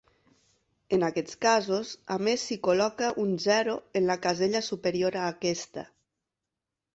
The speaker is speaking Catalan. En aquests casos, a més, s'hi col·loca un zero en la casella superior a aquesta.